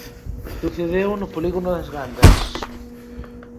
Sucedeu no polígono das Gándaras.